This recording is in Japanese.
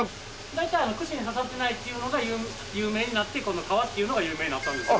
大体串に刺さってないっていうのが有名になってこの「かわ」っていうのが有名になったんですよ。